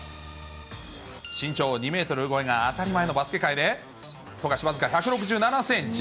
身長２メートル超えが当たり前のバスケ界で、富樫は僅か１６７センチ。